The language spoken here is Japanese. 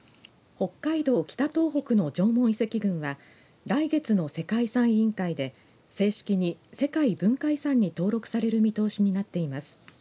北海道・北東北の縄文遺跡群は来月の世界遺産委員会で正式に世界文化遺産に登録される見通しになっています。